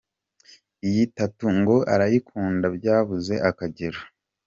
Iyi tattoo ngo arayikunda byabuze akagero.